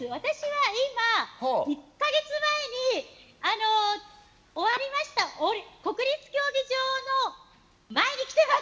私は今１か月前に終わりました国立競技場の前に来ています。